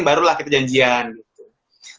barulah kita janjian gitu